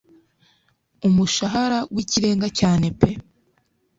umushahara wikirenga cyane pe